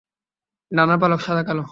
ডানার পালক সাদা কালো।